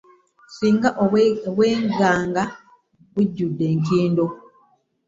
Siinga obwenganga bujudde nkindo .